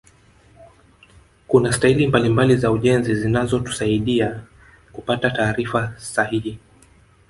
kuna staili mbalimbali za ujenzi zinazotusaaida kupata taarifa sahihi